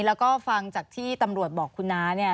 แล้วก็ฟังจากที่ตำรวจบอกคุณน้าเนี่ย